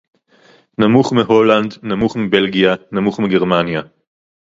נמוך מהולנד, נמוך מבלגיה, נמוך מגרמניה